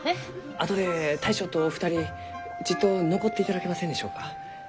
あとで大将と２人ちっと残っていただけませんでしょうか？